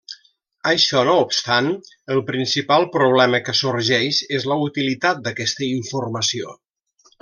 Això no obstant, el principal problema que sorgeix és la utilitat d'aquesta informació.